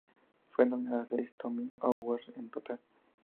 Fue nominada a seis Tony Awards en total.